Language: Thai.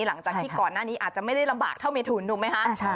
หลังจากที่ก่อนหน้านี้อาจจะไม่ได้ลำบากเท่าเมทุนถูกไหมคะ